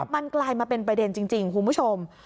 มันกลายมาเป็นประเด็นจริงคุณผู้ชม